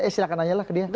eh silahkan nanyalah ke dia